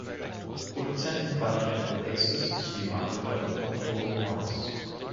Produzenten waren die Band Oasis sowie Mark Coyle und Owen Morris.